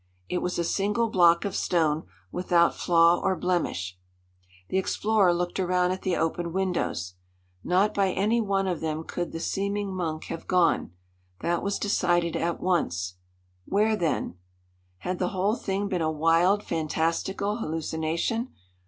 It was a single block of stone, without flaw or blemish. The explorer looked around at the open windows. Not by any one of them could the seeming monk have gone. That was decided at once. Where then? Had the whole thing been a wild, fantastical hallucination?